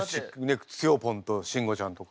つよぽんと慎吾ちゃんとか。